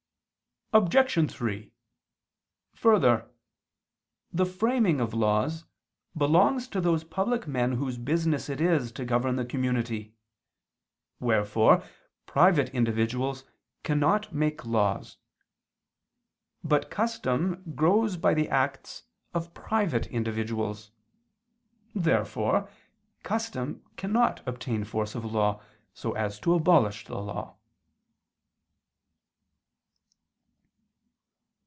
Obj. 3: Further, the framing of laws belongs to those public men whose business it is to govern the community; wherefore private individuals cannot make laws. But custom grows by the acts of private individuals. Therefore custom cannot obtain force of law, so as to abolish the law.